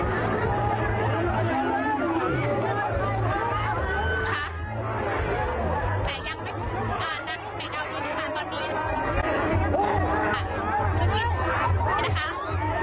เว้ยกำลังทองก็มีที่ทำหวัดปรับปรับ